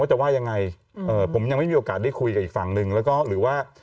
ว่าจะว่ายังไงผมยังไม่มีโอกาสได้คุยกับอีกฝั่งนึงหรือว่า